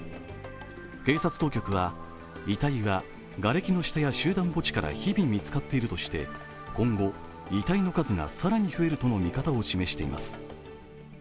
警察当局は遺体はがれきの下や集団墓地から日々見つかっているとして今後、遺体の数が更に増えるとの見方を示しています。